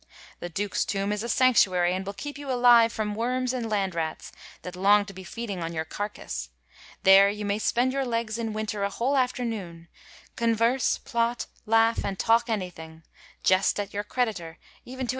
... The Duke's tomb is a sanctuary, and will keep you alive from worms and land rats, that long to be feeding on your carcass: there you may spend your legs in winter a whole afternoon ; converse, plot, laugh, and talk anything ; jest at your creditor, even to bis » Ed.